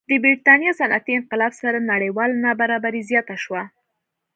د برېټانیا صنعتي انقلاب سره نړیواله نابرابري زیاته شوه.